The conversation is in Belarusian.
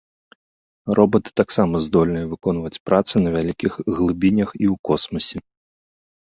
Робаты таксама здольныя выконваць працы на вялікіх глыбінях і ў космасе.